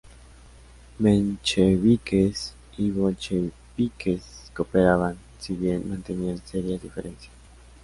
Mencheviques y bolcheviques cooperaban, si bien mantenían serias diferencias.